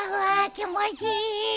気持ちいい。